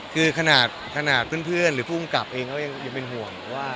คือขนาดเพื่อนแหละกองกัปเองก็ยังเป็นห่วง